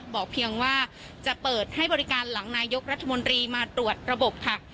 บอกเพียงว่าจะเปิดให้บริการหลังนายกรัฐมนตรีมาตรวจระบบค่ะ